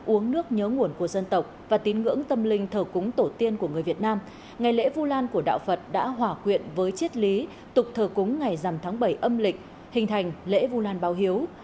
uống nước nhớ nguồn của dân tộc và tín ngưỡng tâm linh thờ cúng tổ tiên của người việt nam ngày lễ vu lan của đạo phật đã hỏa quyện với chiết lý tục thờ cúng ngày dằm tháng bảy âm lịch hình thành lễ vu lan báo hiếu